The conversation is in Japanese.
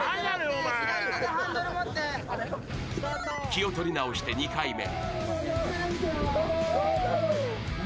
気を取り直して２回目。